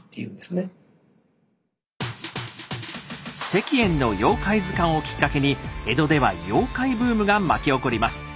石燕の妖怪図鑑をきっかけに江戸では妖怪ブームが巻き起こります。